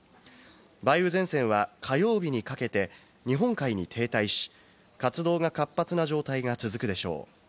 梅雨前線は火曜日にかけて、日本海に停滞し、活動が活発な状態が続くでしょう。